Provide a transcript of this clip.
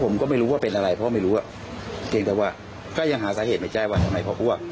ผมก็ไม่รู้ว่าเป็นอะไรเพราะไม่รู้อ่ะเพียงแต่ว่าก็ยังหาสาเหตุไม่ใช่ว่าทำไมพออ้วก